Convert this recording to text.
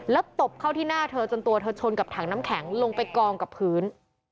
แล้วตบเข้าที่หน้าเธอจนตัวเธอชนกับถังน้ำแข็งลงไปกองกับพื้น